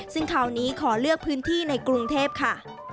ซึ่งคราวนี้ขอเลือกพื้นที่ในกรุงเทพค่ะ